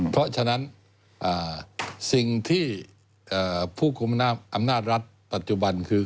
เพราะฉะนั้นสิ่งที่ผู้คุมอำนาจรัฐปัจจุบันคือ